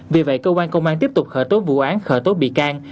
vì vậy cơ quan công an tiếp tục khởi tố vụ án khởi tố bị can